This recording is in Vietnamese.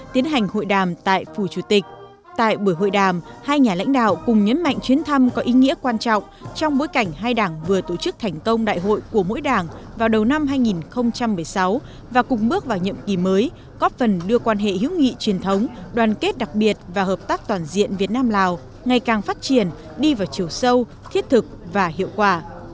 tiến thăm có ý nghĩa quan trọng trong bối cảnh hai đảng vừa tổ chức thành công đại hội của mỗi đảng vào đầu năm hai nghìn một mươi sáu và cùng bước vào nhậm kỳ mới góp phần đưa quan hệ hữu nghị truyền thống đoàn kết đặc biệt và hợp tác toàn diện việt nam lào ngày càng phát triển đi vào chiều sâu thiết thực và hiệu quả